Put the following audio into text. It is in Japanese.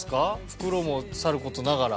袋もさる事ながら。